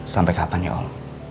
sampai kapan ya om